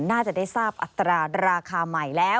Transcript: น่าจะได้ทราบอัตราราคาใหม่แล้ว